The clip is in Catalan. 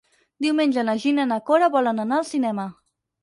Diumenge na Gina i na Cora volen anar al cinema.